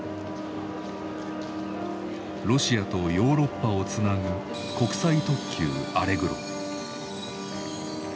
ロシアとヨーロッパをつなぐ国際特急アレグロ。